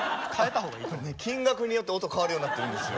金額によって音変わるようになってるんですよ。